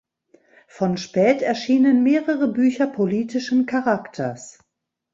Von Späth erschienen mehrere Bücher politischen Charakters.